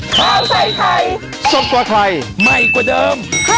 โปรดติดตามตอนต่อไป